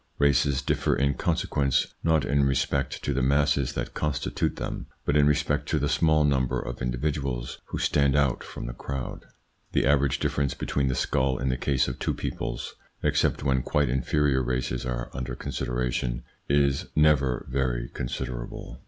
Races differ, in consequence, not in respect to the masses that constitute them, but in respect to the small number of individuals who stand out from the crowd. The average difference between the skull in the case of two peoples except when quite inferior races are under consideration is never very considerable.